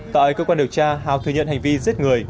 tại cơ quan điều tra hào thừa nhận hành vi giết người